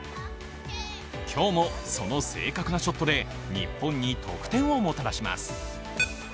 今日も、その正確なショットで日本に得点をもたらします。